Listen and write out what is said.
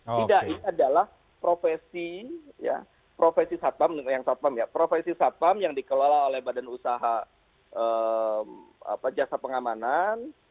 tidak ini adalah profesi satpam yang dikelola oleh badan usaha jasa pengamanan